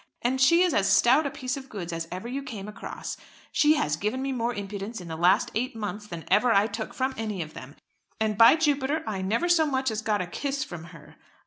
And she is as stout a piece of goods as ever you came across. She has given me more impudence in the last eight months than ever I took from any of them. And by Jupiter I never so much as got a kiss from her."